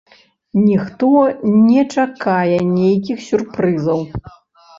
Ніхто не чакае нейкіх сюрпрызаў.